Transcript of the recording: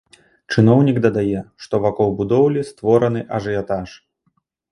Чыноўнік дадае, што вакол будоўлі створаны ажыятаж.